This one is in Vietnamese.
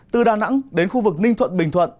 từ đà nẵng đến khu vực ninh thuận bình thuận